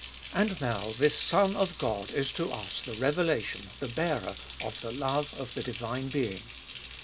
And now this Son of God is to us the revelation, the bearer, of the love of the divine Being.